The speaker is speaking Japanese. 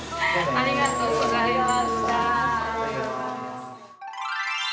ありがとうございます。